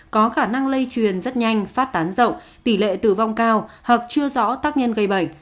có khả năng lây truyền rất nhanh phát tán rộng tỷ lệ tử vong cao hoặc chưa rõ tác nhân gây bệnh